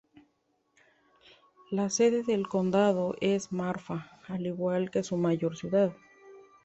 La sede del condado es Marfa, al igual que su mayor ciudad.